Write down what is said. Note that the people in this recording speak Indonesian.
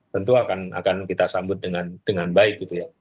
tentu akan kita sambut dengan baik gitu ya